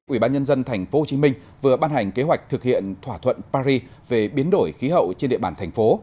ủy ban nhân dân tp hcm vừa ban hành kế hoạch thực hiện thỏa thuận paris về biến đổi khí hậu trên địa bàn thành phố